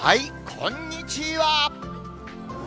こんにちは。